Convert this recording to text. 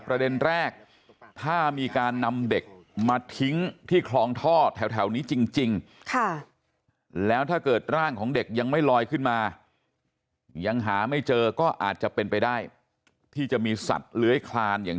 ประเด็นแรกถ้ามีการนำเด็กมาทิ้งที่คลองท่อแถวนี้จริง